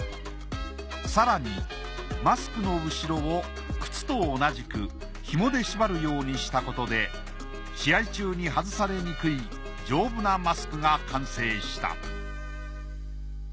更にマスクの後ろを靴を同じくひもで縛るようにしたことで試合中に外されにくい丈夫なマスクが誕生した。